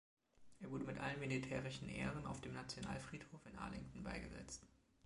Er wurde mit allen militärischen Ehren auf dem Nationalfriedhof in Arlington beigesetzt.